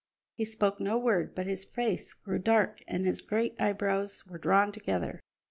He spoke no word, but his face grew dark and his great eyebrows were drawn together.